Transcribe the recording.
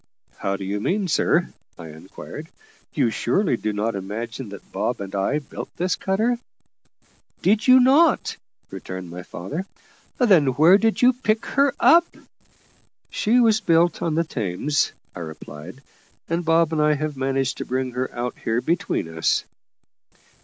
"How do you mean, sir?" I inquired. "You surely do not imagine that Bob and I built this cutter?" "Did you not?" returned my father. "Then where did you pick her up?" "She was built on the Thames," I replied; "and Bob and I have managed to bring her out here between us."